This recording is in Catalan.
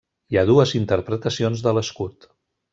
Hi ha dues interpretacions de l'escut.